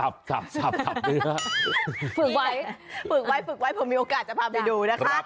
ฝึกไว้เพราะมีโอกาสจะพาไปดูนะคะ